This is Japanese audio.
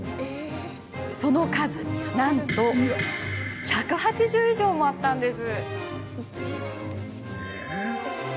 その数なんと１８０以上もあったんです。